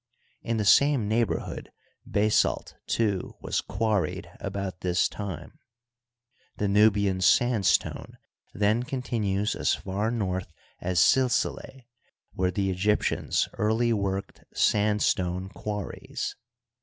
In the same neighborhood basalt, too, was quarried about this time. The Nubian sandstone then continues as far north as Digitized byCjOOQlC IN TROD UCTOR Y. 9 SilsUeh, where the Egyptians early worked sandstone quar ries.